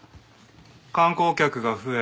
観光客が増え